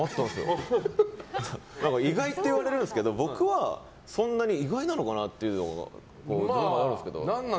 意外って言われるんですけど僕はそんなに意外なのかなって思うんですけど。